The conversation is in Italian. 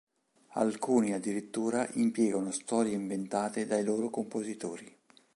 Alcuni addirittura impiegano storie inventate dai loro compositori.